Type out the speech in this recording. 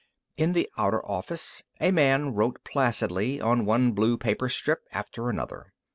In the outer office a man wrote placidly on one blue paper strip after another.